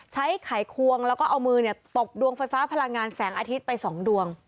ไขควงแล้วก็เอามือตบดวงไฟฟ้าพลังงานแสงอาทิตย์ไป๒ดวง